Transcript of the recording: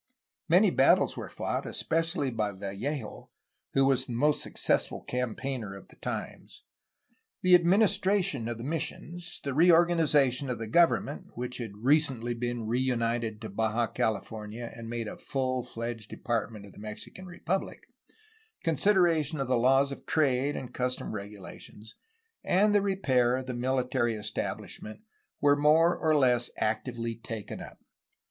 Many battles were fought, especially by Vallejo, who was the most successful campaigner of the times. The administration of the mis sions, the reorganization of the government (which had recently been re united to Baja California and made a full fledged department of the Mexican Republic), consideration of the laws of trade and customs regulations, and the repair of the military establishment were more or less actively taken up.